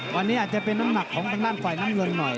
วันนี้อาจจะเป็นน้ำหนักของทางด้านฝ่ายน้ำเงินหน่อย